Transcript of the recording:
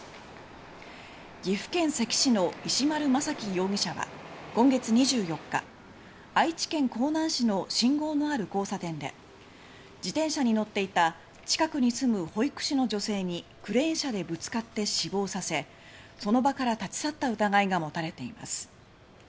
岐阜県関市の石丸政喜容疑者は今月２４日愛知県江南市の信号のある交差点で自転車に乗っていた近くに住む保育士の女性にクレーン車でぶつかって死亡させその場から立ち去った疑いが持たれています。